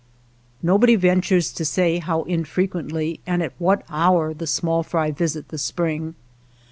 Nobody ventures to say how infrequently and at what hour the small fry visit the spring.